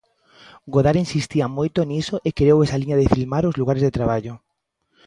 Godard insistía moito niso e creou esa liña de filmar os lugares de traballo.